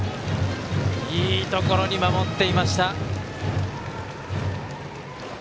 いいところに守っていました。